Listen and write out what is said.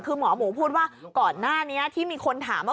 คือหมอหมูพูดว่าก่อนหน้านี้ที่มีคนถาม